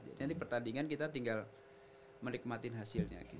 jadi pertandingan kita tinggal menikmati hasilnya